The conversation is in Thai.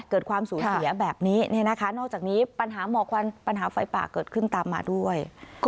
เกิดความสูญเสียแบบนี้นอกจากนี้ปัญหาหมอกควันปัญหาไฟป่าเกิดขึ้นตามมาด้วย